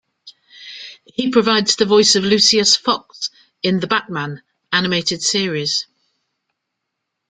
He provides the voice of Lucius Fox in "The Batman" animated series.